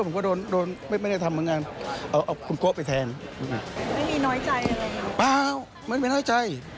เปล่ามันไม่มีน้อยใจ